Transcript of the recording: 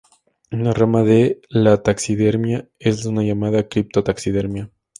Una rama de la taxidermia es la llamada cripto-taxidermia.